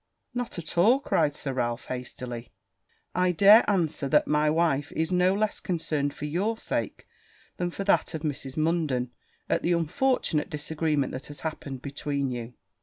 'Not at all,' cried Sir Ralph hastily; 'I dare answer that my wife is no less concerned for your sake, than for that of Mrs. Munden, at the unfortunate disagreement that has happened between you.'